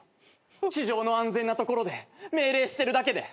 地上の安全な所で命令してるだけで。